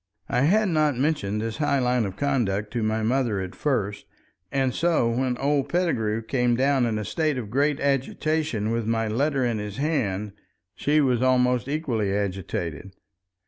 I had not mentioned this high line of conduct to my mother at first, and so when old Pettigrew came down in a state of great agitation with my letter in his hand, she was almost equally agitated.